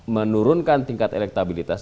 menurunkan tingkat elektabilitas